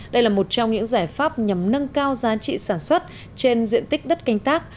đây là một trong những giải pháp nhằm nâng cao giá trị sản xuất trên diện tích đất canh tác